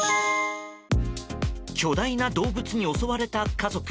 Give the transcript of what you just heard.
巨大な動物に襲われた家族。